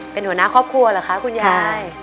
เป็นหัวหน้าครอบครัวเหรอคะคุณยาย